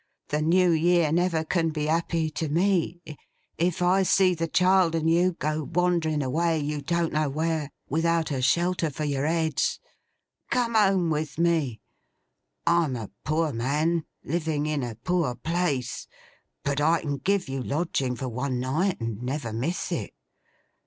The New Year never can be happy to me, if I see the child and you go wandering away, you don't know where, without a shelter for your heads. Come home with me! I'm a poor man, living in a poor place; but I can give you lodging for one night and never miss it.